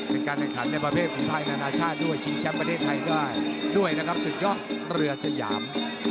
เป็นการแข่งขันในประเภทของไทยนานาชาติด้วยชิงแชมป์ประเทศไทยได้ด้วยนะครับศึกยอดเรือสยาม